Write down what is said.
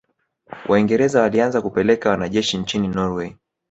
Waingerza walianza kupeleka wanajeshi nchini Norway